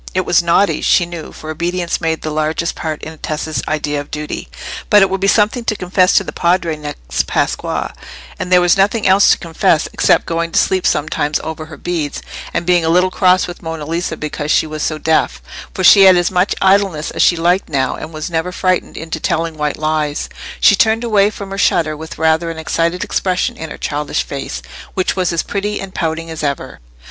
It was naughty, she knew, for obedience made the largest part in Tessa's idea of duty; but it would be something to confess to the Padre next Pasqua, and there was nothing else to confess except going to sleep sometimes over her beads, and being a little cross with Monna Lisa because she was so deaf; for she had as much idleness as she liked now, and was never frightened into telling white lies. She turned away from her shutter with rather an excited expression in her childish face, which was as pretty and pouting as ever.